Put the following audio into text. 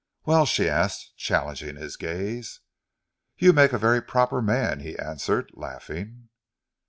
"Well?" she asked, challenging his gaze. "You make a very proper man," he answered, laughing.